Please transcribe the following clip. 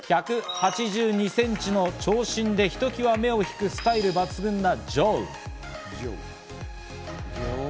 １８２センチの長身で、ひときわ目を引くスタイル抜群なＪＯ。